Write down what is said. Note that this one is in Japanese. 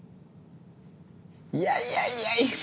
いやいやいや！